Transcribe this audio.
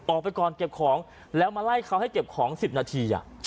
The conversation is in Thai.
ออกไปก่อนเก็บของแล้วมาไล่เขาให้เก็บของ๑๐นาที